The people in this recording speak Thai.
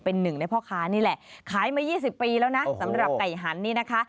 เป็นหนึ่งในพ่อค้านี่แหละขายมา๒๐ปีแล้วนะสำหรับไก่หันนี่นะคะ